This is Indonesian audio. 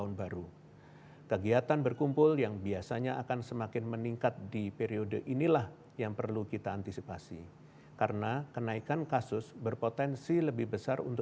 orang orang dari negara tersebut